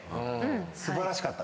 素晴らしかった。